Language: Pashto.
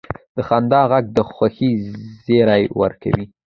د خندا ږغ د خوښۍ زیری ورکوي.